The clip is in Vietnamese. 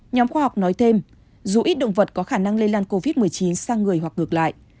nhóm khoa học nói thêm dù ít động vật có khả năng lây lan covid một mươi chín sang người hoặc ngược lại